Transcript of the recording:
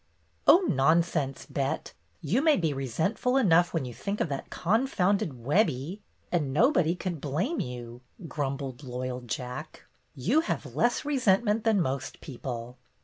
"Oh, nonsense. Bet. You may be resentful enough when you think of that confounded THE COMMONPLACE BOOK 49 Webbie, and nobody could blame you/' grumbled loyal Jack. "You have less resent ment than most people."